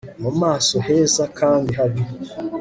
mu maso heza kandi habi